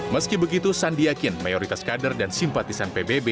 meski begitu sandiakin mayoritas kader dan simpatisan pbb